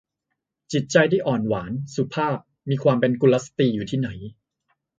จิตใจที่อ่อนหวาน สุภาพ มีความเป็นกุลสตรีอยู่ที่ไหน